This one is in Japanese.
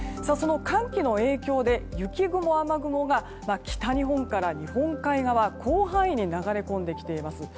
寒気の影響で雪雲、雨雲が北日本から日本海側広範囲に流れ込んできています。